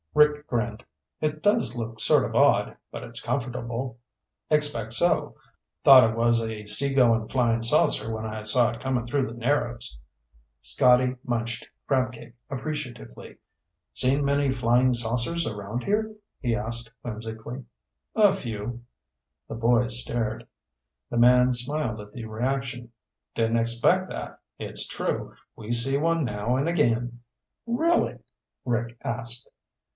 Rick grinned. "It does look sort of odd, but it's comfortable." "Expect so. Thought it was a seagoin' flyin' saucer when I saw it comin' through the Narrows." Scotty munched crab cake appreciatively. "Seen many flying saucers around here?" he asked whimsically. "A few." The boys stared. The man smiled at the reaction. "Didn't expect that? It's true. We see one now and again." "Really?" Rick asked.